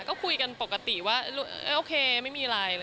ก็คุยกันปกติว่าโอเคไม่มีอะไร